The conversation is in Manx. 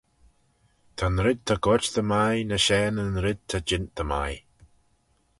Ta'n red ta goit dy mie ny share na'n red ta jeant dy mie